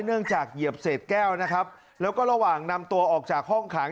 เนื่องจากเหยียบเศษแก้วนะครับแล้วก็ระหว่างนำตัวออกจากห้องขัง